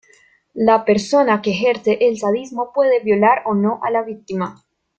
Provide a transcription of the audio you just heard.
La persona que ejerce el sadismo puede violar o no a la víctima.